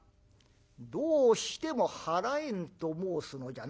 「どうしても払えぬと申すのじゃな。